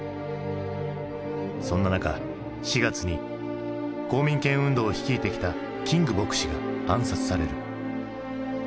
そんな中４月に公民権運動を率いてきたキング牧師が暗殺される。